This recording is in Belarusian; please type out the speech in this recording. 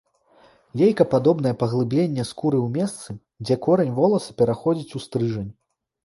Лейкападобнае паглыбленне скуры ў месцы, дзе корань воласа пераходзіць у стрыжань.